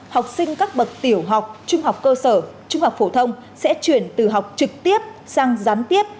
học sinh các bậc tiểu học trung học cơ sở trung học phổ thông sẽ chuyển từ học trực tiếp sang gián tiếp